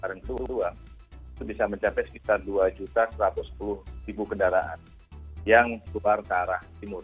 itu bisa mencapai sekitar dua satu ratus sepuluh kendaraan yang keluar ke arah timur